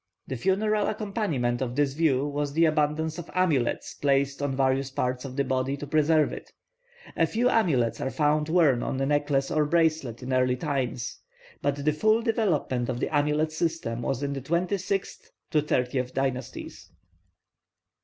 The funeral accompaniment of this view was the abundance of amulets placed on various parts of the body to preserve it. A few amulets are found worn on a necklace or bracelet in early times; but the full development of the amulet system was in the twenty sixth to thirtieth dynasties.